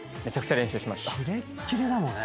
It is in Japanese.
キレッキレだもんね。